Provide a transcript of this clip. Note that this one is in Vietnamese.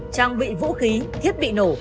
trang bị vũ khí thiết bị nổ